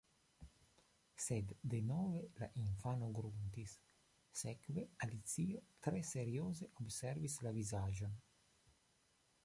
Sed denove la infano gruntis. Sekve Alicio tre serioze observis la vizaĝon.